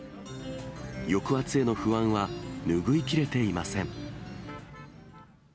抑圧への不安は拭い切れていません。